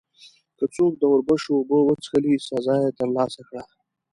که څوک د اوربشو اوبه وڅښلې، سزا یې ترلاسه کړه.